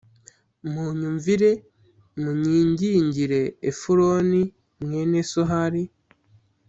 munyumvire munyingingire efuroni mwene sohari